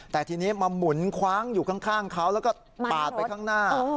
แต่ทีนี้มาหมุนคว้างอยู่ข้างเขาแล้วก็ปาดไปข้างหน้า